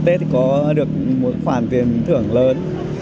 tết thì có được một khoản tiền thưởng lớn